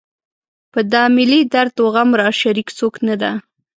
په دا ملي درد و غم راشریک څوک نه ده.